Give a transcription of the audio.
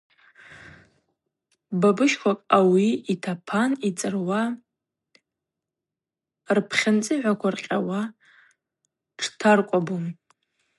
Бабыщквакӏ ауи йтапан йцӏыруа рпхьынцӏыгӏваква ркъьауа, тштаркӏвабун.